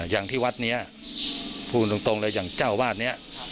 อย่างที่วัดนี้พูดตรงเลยอย่างเจ้าวาดนี้